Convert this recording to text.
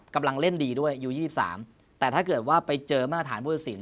กำลังเล่นดีด้วยยู๒๓แต่ถ้าเกิดว่าไปเจอมาตรฐานผู้ตัดสิน